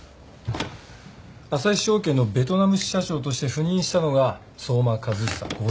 旭証券のベトナム支社長として赴任したのが相馬和久５５歳。